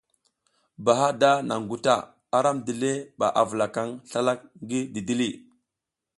Bahada naŋ guta, aram dile ɓa avulakaŋ slalak ngi didili.